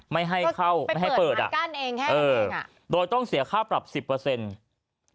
ไม่ให้เข้าไม่ให้เปิดอะเออโดยต้องเสียค่าปรับ๑๐โดยต้องเสียค่าปรับ๑๐